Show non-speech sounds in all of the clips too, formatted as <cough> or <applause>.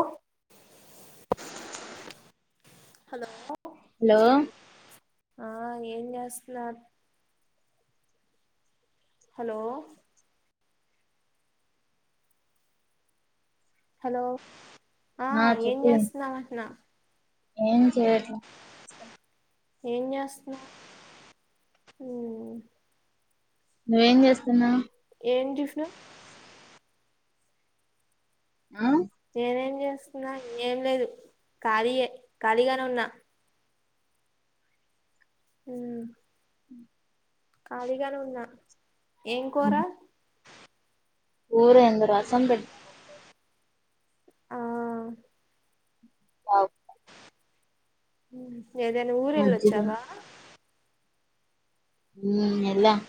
ఓ hello hello ఆ ఏం జేస్త్నార్? హలో హలో ఆ ఏం చేస్త్నావట్న? ఏం చేయ్యట్లా ఏం చేస్తున్నావ్ ఉమ్ నువ్వేం చేస్తున్నావ్? ఏం టిఫ్ను ఆ నేనేం చేస్తున్నా ఏం లేదు ఖాళీయే ఖాళీగానే ఉన్నా ఉమ్ ఉమ్ ఖాళీగానే ఉన్నా ఏం కూర కూరయింది రసం పెట్ ఆ అవ్ ఏదైనా మజ్జిగ ఊరెళ్ళొచ్చావా ఊమ్ ఎల్లామ్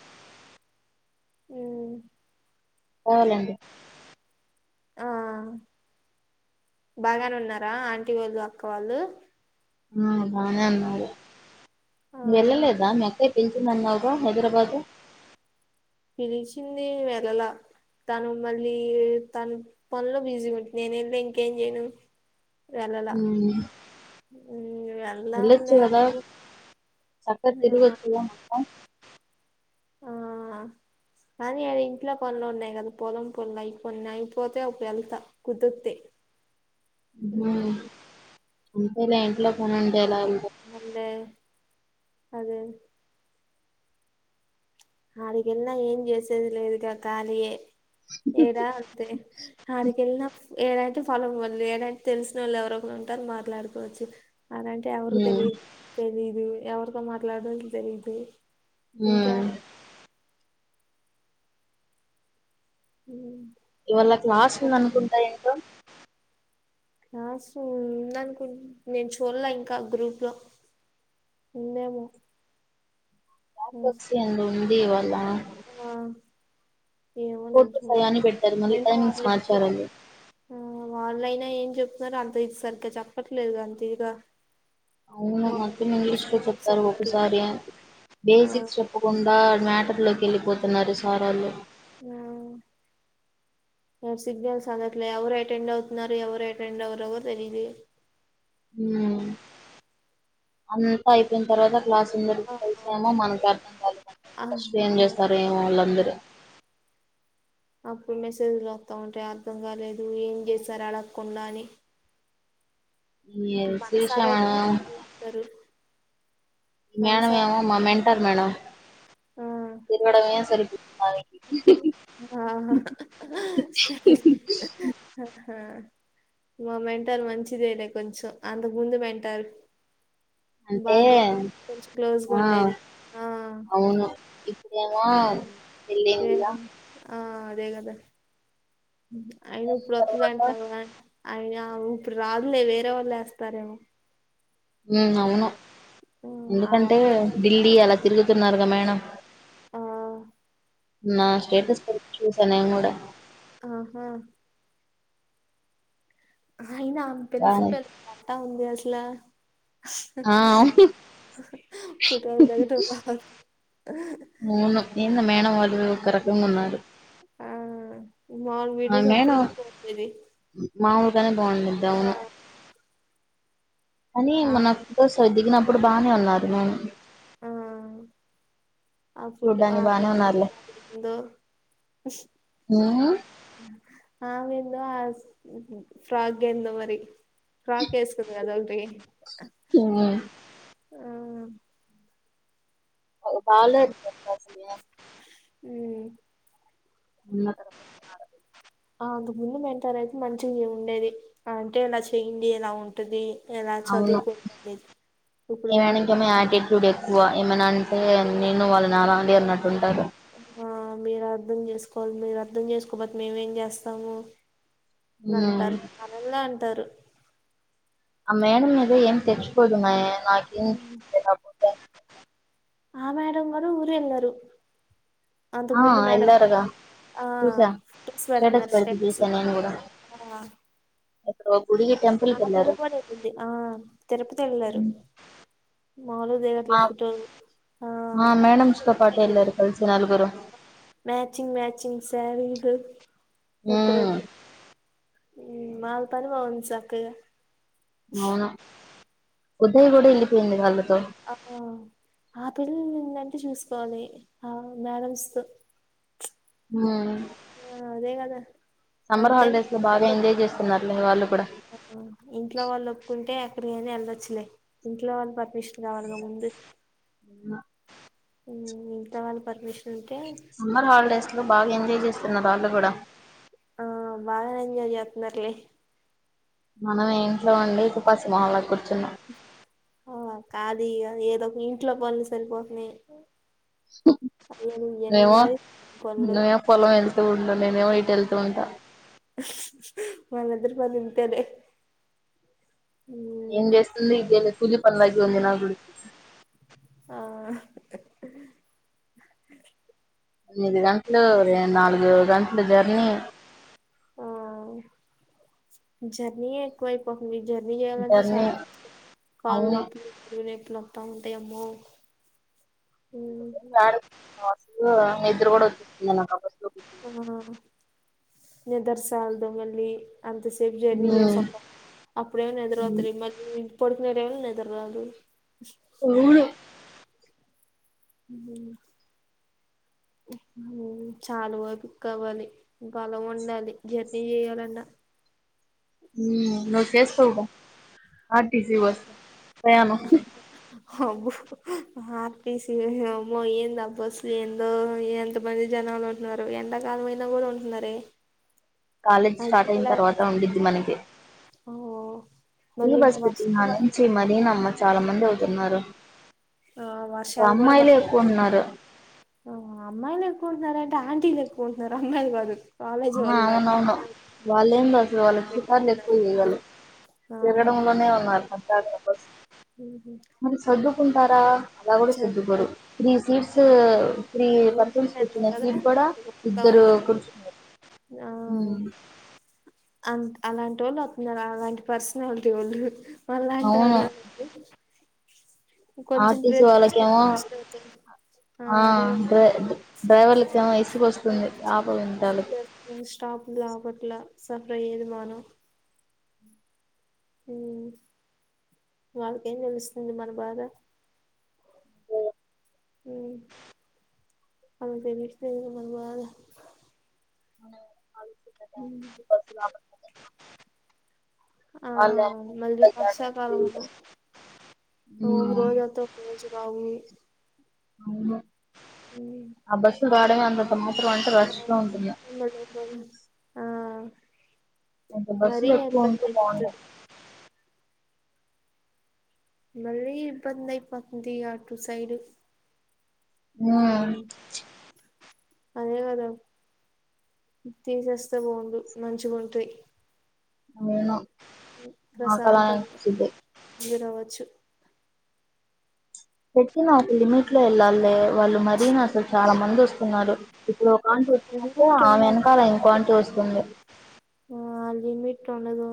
ఉమ్ అవునండి ఆ బాగానే ఉన్నారా ఆంటీ వాళ్ళు అక్క వాళ్ళు ఆ బానే ఉన్నారు ఆ వెళ్ళలేదా మీక్కయి పిల్ ల్చింది అన్నావ్ గా హైదరాబాద్ పిలిచింది వెళ్లలా తను మళ్ళీ తను పనులో బిజీ ఉంటుంది నేను వెళ్తేఇంకేం చేయను వెళ్లాలా మ్మ్ ఉమ్ వెళ్ళొచ్చు వెళ్ళాల్నే కదా చక్కగా <unintelligible> తిరగొచ్చుగా మొత్తం ఆ కానీ అది ఇంట్లో పనులు ఉన్నాయి కదా పొలం పొనులు అయిపోన్ని అయిపోతే అప్పు డెళ్తా కుదుతే <inaudible> ఉమ్ అంతేలే ఇంట్లో పనై అన్ దే అదే ఆదికేల్నా ఏం చేసేదిలేదు క్క కాలియే ఏడా అంతే ఆడికేల్నా ఏదైతే ఫలం వళ్ళు ఏదైతే తెలిసిన వాళ్ళు ఎవరో ఒకరు ఉంటారు మాట్లాడుకోవచ్చు అలాంటే ఎవరు మ్మ్ తెలి తెలీదు ఎవరితో మాట్లాడాలో తెలీదు మ్మ్ ఇంకాడా ఉ ఇవాళ క్లాస్ ఉంద అనుకుంటా ఏంటో క్లాసు ఉందనుకు నేను చూల్లా ఇంకా గ్రూప్ లో ఉందేమో క్లాసొచ్చి ఉందిఇవాల ఏమో నేన్ చూల్లా అని పెట్టారు మళ్ళీ అయినా వాళ్ళ టైమింగ్స్ ఏం చెప్ మార్చారండి ఆ వాళ్ళైనా ఏం చెప్ తారు అంత ఇక సరిగా చెప్పట్లేదు అంత ఇగా అవును మొత్తం ఇంగ్లీష్ లో చెప్తారు అందట్లే ఒకసారి ఆ బేసిక్స్ చెప్పకుండా మ్యాటర్ లోకి వెళ్ళిపోతున్నారు సార్ వోళ్ళు ఉమ్ నాక్ సిగనల్స్ అందట్లే ఎవరు అటెండ్ అవుతున్నారు ఎవరు అటెండ్ ఎవురోవరు తెలీలే ఉమ్ అంతా అయిపోయిన తర్వాత క్లాస్ అందరికి ఆ కలిసేమో మనకి అర్థం కాలేదంట ఆ ఫస్ట్ ఏం ఆ చేస్తారో ఏమో వాళ్ళందరూ అప్పుడు మెసేజ్లు వస్తా ఉంటాయి అర్థం కాలేదు ఏం చేసారు అడగకుండా అని ఈ ఇక మన శిరీష సారోల్లే మేడం మనక్ ఇస్తారు మేడం మేమో మా మెంటర్ మేడం ఆ తిరగడమే సరిపోతాది ఆహా <unintelligible> ఆ మా మెంటారు మంచిదే లే కొంచెం అంతకు ముందు మెంటార్ బా అంటే కొంచెం క్లోజ్గా ఆ ఉండేది ఆ ఆ <unintelligible> వేర ఆ అదేగదా అయిన ఇప్పుడు తర్వాత వత్తదంట గా అయ్యా ఉ ఇప్పుడు రాదులే వేరే వాళ్ళు వేస్తారేమో అవును ఆ ఎందుకంటే వత్త ఢిల్లీ అలా తిరుగుతున్నారు గ మేడం ఆ మొన్నా స్టేటస్ పెడితే చూసా నేను కూడా ఆహా అయినా తెలిసి బానే తెలిసి ఎట్టా ఉంది అసల ఆ ఫోటోలు దిగటం రాదు మూను ఏందో మేడం వాళ్ళు ఒక రకంగా ఉన్నారు ఆ మాములు ఆ వీడియోస్ అప్పుడే మేడం పోసేది మాములుగానే ఆ బాగుండద్దవును అని ఆ మనసలు దిగినప్పుడు బానే ఉన్నారు నేని ఆ ఆ చూడ్డానికి బానే ఉన్నారులే <unintelligible> ఉ ఆమెందో ఆ ఫ్రాగ్ ఏందో మరి ఫ్రాక్ ఏసుకుంది అదొటి ఉమ్ ఆ బాలేదు అది అసలే ఉ ముందర ఉన్నాడు ఆ అంతకు ముందు మెంటార్ అయితే మంచిగా ఉండేది అంటే ఇలా చేయండి ఇలా ఉంటది ఇలా అవును చదువుకోండి అనేది ఇప్పుడు ఈయనికి మెంటర్ ఏమో ఆటిట్యూడ్ ఎక్కువ ఏమనా టే నేను వాళ్ళు నాలాంటి అన్నట్టు ఉంటారు ఆ మీరు అర్థం చేసుకోవాలి మీరు అర్థం చేసు కాపోతే మేమేం చేస్తాము అని ఉమ్ అంటారు అళలా అంటారు పోదు మే నాకి చిన్నప్పుడే ఆ మేడం గారు ఊరెళ్ళారు ఆ ఎల్లారుగా ఆ చూసా ఫొటోస్ స్టేటస్ పెడుతున్నారు పెడితే చూసాను నేను కూడా ఆ ఎక్కడో గుడికి టెంపుల్ కి ఆ వెళ్ళారు తెల్లపోడంది ఆ తిరుపతి వెళ్లారు మామూలుగా మా దిగట్లేదు ఫోటోలు ఆ మా మేడమ్స్ తో పాటు వెళ్ళారు కలిసి నలుగురు మ్యాచింగ్ మ్యాచింగ్ శారీలు ఉమ్ ఇదరుదు ఉ వాళ్ళ పనే బాగుంది చక్కగా అవునా ఉదయ్ కూడా ఎల్లిపోయింది వాళ్ళు ఆహా ఆ పిల్లంటు చూసు కొని ఆ మేడమ్స్ ఉ ఆ అదే కదా అంతే హాలిడేస్ లో బాగా ఎంజాయ్ చేస్తున్నారులే వాళ్ళు కూడా <unintelligible> ఇంట్లో వాళ్ళు ఒప్పుకుంటే ఫ్రీయానే వెళ్దొచ్చులే ఇంట్లో వాళ్ళు పర్మిషన్ కావాలిగా ముందు ఉ ఇంట్లో వాళ్ళ పర్మిష్ సమ్మర్ హాలిడేస్ లో బాగా ఎంజాయ్ చేస్తున్నారు వాళ్ళు కూడా ఆ బాగా ఎంజాయ్ చేతున్నారులే మనం ఇంట్లో ఉండి తుపసి మొహల్లా కూర్చున్నా ఆ కాదు ఇక ఏదో ఒక ఇంట్లో పనులు సరిపోతున్నాయి హు అయ్యని ఇయ్యని మేము నావి పనులు మేము పొలం వెళ్తూ నేనేమో ఇటు వెళ్తూ ఉంటా మనిద్దరి పనులు ఇంతేలే ఉమ్ ఏం చేస్తుంది ఇదే కూలీ పనులు అయిపోయినాయి నాగుడు ఆ ఎనిమిది గంట్లు నాలుగు గంట్లు జర్నీ ఆ జర్నీ ఎక్కువైపోతుంది జర్నీ చేయాలంటే స జర్నీ అవును <unintelligible> లోప్ప ఉంటాయమ్మో వడు అసలు నిద్ర కూడా వతుంది నాకు అసలు ఆ నిదర్ సాల్దు మళ్లి అంత సేపు జర్నీ ఉమ్, చేసాక అప్పుడేమొ ఉమ్, నిద్రొతది మళ్ళీ పడుకునే టైం లా నిదుర రాదు అవును మ్ మ్ చాలా ఓపిక కావాలి బలం ఉండాలి జర్నీ చేయ్యాలన్నా మ్ నువ్ చేస్తావ్ గా ర్ టి సి బస్సు ప్రయాణం అబ్బ ఆర్పిసి అమ్మో ఏంద అ బస్లు ఎందో ఎంత మంది జన నాలు ఉంటున్నారు ఎండకాలం అయినా కూడా ఉంటున్నారే కాలేజ్ స్టార్ట్ అయిన తర్వాత ఉండిద్ది మనకి ఓ ఫ్రీ మళ్ళీ ఇంక బస్సు పెట్టిన వర్షం కన్నుంచి పడుతుంది మరినమ్మ చాలా మంది అవుతున్నారు ఆ అసల్ వర్షాలు కూడా అమ్మాయిలే పడు ఎక్కువున్నారు అమ్మాయిలు ఎకుంటున్నారు అంటే ఆంటీ ఎకుంటున్నారు అమ్మాయిలు కాదు కాలేజీ ఆ వాళ్ళు అవున కాదు వును వాళ్ళ ఏం అసలు వాళ్ళకి శికార్లు ఎక్కువ చేయలి తగడం లోనే ఉన్నారుా పద్దాక మళ్ళి సర్దుకుంటారా అలా కూడా సర్దుకోరు ఆ three seats okay. Three persons ఊరుకుతున్నారు కూర్చున్నా కదా సీట్ కూడా అట్లా చెప్తా ఇద్దరు ఉంటారు. కూర్చున్నారు మ్ అ అలాంటి వాళ్ళు వస్తున్నారు అలాంటి పర్సనాలిటీ వాళ్ళు అలాంటి అవును వాళ్ళు కొంచెం ఆర్టీసీ ప్లేస్ ఇస్తె వాళ్ళకేమో కూసుంటిమీ ఆ డ్రై డ్రైవర్ కేమో ఎస్ స్టాప్ల అప్పట్లే సఫర్ అయ్యేది మనం మ్ వాళ్ళకేం తెలుస్తుంది మన బాధ మ్ వాళ్ళకు తెలిస్తె కద మన బాధ అ మ్ ఆ అవును మళ్ళీ వర్షాకాలం లో ఓక రోజు ఓతావ్ ఒక రోజు రావు అవును హ్మ్. ఆ బస్సులో రావడమే అంతంత మాత్రం అంటే రష్ గా ఉంటుంది ఆ కొంత మరీ బస్సులు ఎక్కువ ఇబ్బంది ఉంటే బాగుండే అయిపోతది మళ్ళీ ఇబ్బంది అయిపోతుంది ఆటు సైడ్ మ్ ఉమ్ అదే కదా తీసేస్తె బాగుండు మంచిగుంటాయ్ అవును మాకు అలానే అనిపిచ్చిద్ది దిగి రావచ్చు పెట్టి నా ఒక లిమిట్ లో వెళ్ళాలి వాళ్ళు మరీ అసలు చాలా మంది వస్తున్నారు ఇప్పుడు ఒక ఆంటి వచ్చిందంటే లిమిట్ ఆమె వెనకాల ఇంకో ఉండాలి ఆంటి వస్తుంది ఆ లిమిట్లో ఉండదు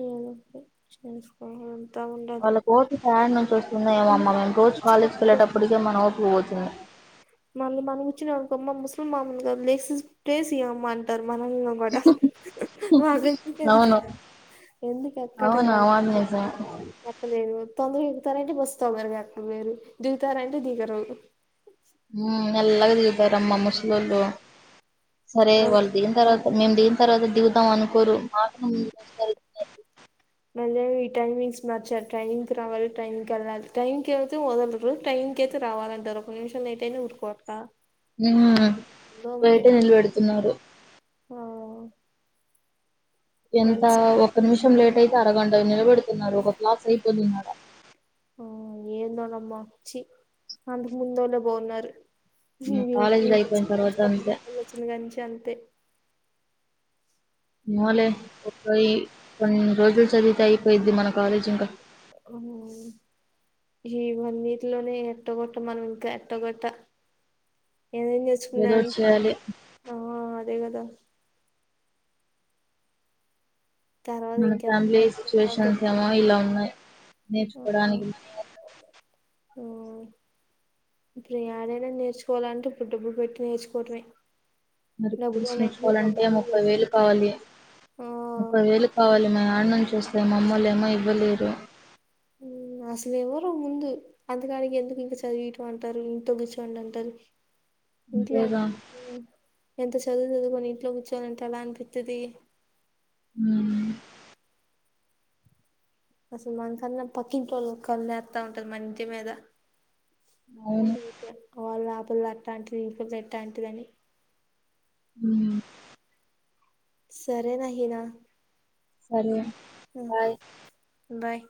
ఎదో ఒకటి చేసుకోవాలి వాళ్ళ కో త్ తయా నుంచి వస్ ఉన్నాయేమొ మళ్ళీ అమ్మ మేము వాళ్ళు రోజు అనిపించింది కాలేజ్కి అనుకో వెళ్ళేటప్పటికే మన ఓపిక పోతుంది ఒ కమ్మ ముసళ్ళమ్మ కద లేసి ప్లేస్ ఇవ్వవమ్మ అంటారు మనల్ని కూడ మన ఇంటికెళ్తే అవును ఎందుకు అవును ఆ మాట నిజమే <unintelligible> తొందరగా ఎక్కుతారా అంటే బస్ తొందరగా ఎక్కారు దిగుతారా అంటే దిగరు మెల్లగా దిగుతారమ్మ ముసలుళ్ళు సరే మళ్ వాళ్ళు దిగిన తర్వాత మేము దిగిన తర్వాత దిగుతాం అను కోరు మా కన్నా ముందే మళ్ ఈ టై మంగ్స్ మార్చారు టైమింగ్ రావాలి టైం కళ్ళాల టైం కి వెళ్లితే వదలరు టై మ్ ఇంకైతే రావాలంటే అరక నిమిషాలు నైతేయినే ఉరుకోవట్ల బయటె నిల పెడుతున్నారు హ ఎంత ఒక నిమిషం లేట్ అయితే అరగంటలు నిలబెడుతున్నారు ఒక క్లాస్ అయిపోతుదాడా ఆ ఏందోనమ్మాచ్చి అంతకు ముందోలే పోన్నారు వాళ్ళు కాలేజీలు అయిపోయిన తర్వాత అంతే వచ్చిన కంచి అంతే ఏమోలే ఒక కొన్ని రోజులు చదివితే అయిపోయిద్ది మన కాలేజ్ ఇంకా అ ఈ వీక్ లోనే ఎట్టాగొట్ట మనం ఇంకా ఎట్టోగొట్ట ఏమేం ఏదో ఒకటి నేచుకున్నాంటడి చేయాలి ఆ అదే కదా తర్వాత మన ఫ్యామిలీ ఇంకెవరు సిచ్యువేషన్స్ తెచ్చు ఏమో ఇలా ఉన్నాయి ఆ నేర్చుకోవడానికి మనీ ఉంట <inaudible> ఇప్పుడు ఆడైనా నేర్చుకోవాలంటే ఇప్పుడు డబ్బు పెట్టి నేర్చుకోవటమే మరి డబ్బులు కోర్స్ ఉన్నాయంటే నేర్చుకోవాలంటే ముప్పై వేలు డబ్బులు కావాలి ఆ ముప్పై వేలు కావాలి మా అమ్ముళ్ళు చూస్తే మామ్మలే ఏమో ఇవ్వలేరు ఉ అసలు ఇవరు ముందు అందుకాని ఎందుకు ఇంక చదివటం అంటారు ఇంట కూర్చోండి అంటారు ఇంట్లె అంతేగా ఎంత చదువు చదువుకొని ఇంట్లో కూర్చోలంటే ఏలా అనిపితది ఉమ్ అసలు మనకన్నా పక్కిట్ వాళ్ళు కన్ను వేస్తా ఉంటది మన ఇంటి మీద అవును వాళ్ళు ఆ పిల్ల అట్లాంటిది ఈ పిల్ల ఎట్లాంటిదని మ్మ్ సరేనా హీనా సరే బాయ్ బాయ్